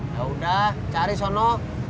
yaudah cari sono